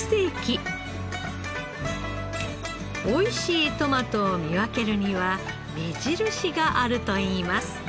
美味しいトマトを見分けるには目印があるといいます。